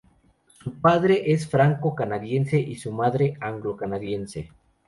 Su padre es franco-canadiense y su madre anglo-canadiense.